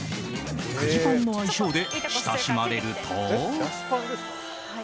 クジパンの愛称で親しまれると。